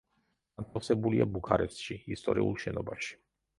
განთავსებულია ბუქარესტში, ისტორიულ შენობაში.